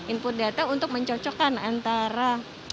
input data untuk mencocokkan antara